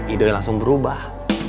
ido yang langsung berubah